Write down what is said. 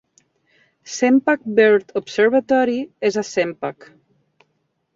Sempach Bird Observatory és a Sempach.